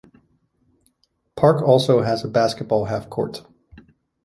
Park also has a basketball half-court.